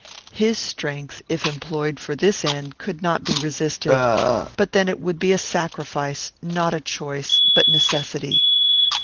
His strength, if employed for this end, could not be resisted; but then it would be a sacrifice, not a choice, but necessity.